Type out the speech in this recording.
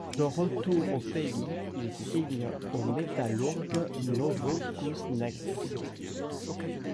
De retour au pays, il signe au Metallourg Novokouznetsk.